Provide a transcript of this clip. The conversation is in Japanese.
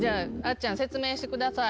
ちゃん説明してください。